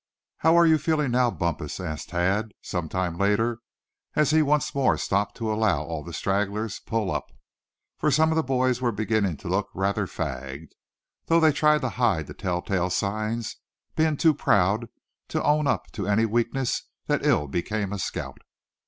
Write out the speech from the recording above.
"How are you feeling now, Bumpus?" asked Thad, some time later, as he once more stopped to allow all the stragglers pull up; for some of the boys were beginning to look rather fagged, though they tried to hide the telltale signs, being too proud to own up to any weakness that ill became a scout.